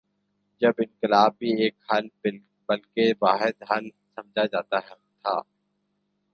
جب انقلاب بھی ایک حل بلکہ واحد حل سمجھا جاتا تھا۔